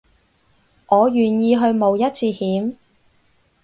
我願意去冒一次險